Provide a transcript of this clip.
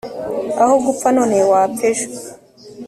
aho gupfa none wapfa ejo